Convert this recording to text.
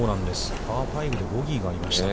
パー５でボギーがありました。